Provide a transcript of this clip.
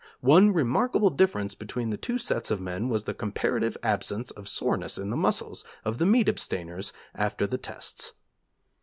One remarkable difference between the two sets of men was the comparative absence of soreness in the muscles of the meat abstainers after the tests.'